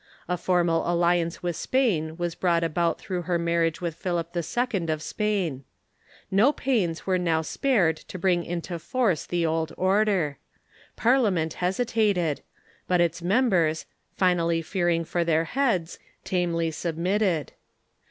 A formal alliance with Spain was brought about through her marriage with Philip II. of Spain. No pains were now spared to bring into force the old order. Par liament hesitated ; but its members, finally fearing for their heads, tamely submitted.